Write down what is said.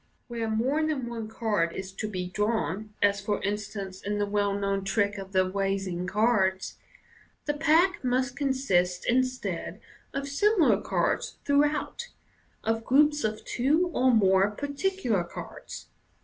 Where more than one card is to be drawn, as, for instance, in the well known trick of the " rising cards," the pack may consist, instead of similar cards throughout, of groups of two or more particular cards.